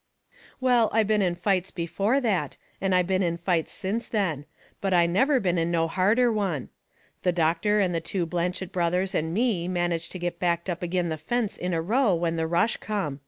Well, I been in fights before that, and I been in fights since then. But I never been in no harder one. The doctor and the two Blanchet brothers and me managed to get backed up agin the fence in a row when the rush come.